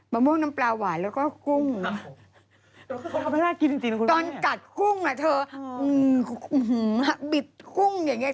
มะม่วงน้ำปลาหวายแล้วก็กุ้งครับตอนกัดกุ้งอ่ะเธออือหือหือบิดกุ้งอย่างเงี้ย